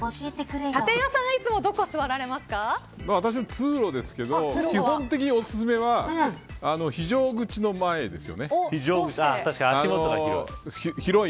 立岩さんはいつも私もいつも通路ですけど基本的におすすめは非常口の前ですよね。